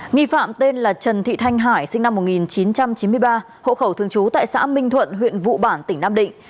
nghi phạm tên là trần thị thanh hải sinh năm một nghìn chín trăm chín mươi ba hộ khẩu thường trú tại xã minh thuận huyện vụ bản tỉnh nam định